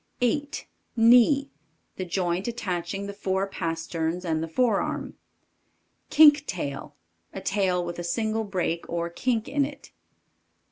8. KNEE. The joint attaching the fore pasterns and the forearm. Kink tail. A tail with a single break or kink in it.